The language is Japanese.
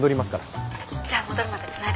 じゃあ戻るまでつないでおきます。